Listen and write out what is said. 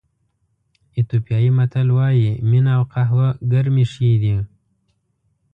ایتیوپیایي متل وایي مینه او قهوه ګرمې ښې دي.